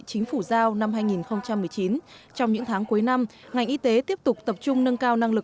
chính phủ giao năm hai nghìn một mươi chín trong những tháng cuối năm ngành y tế tiếp tục tập trung nâng cao năng lực